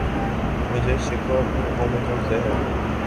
مجھے شکوہ اپنی حکومتوں سے ہے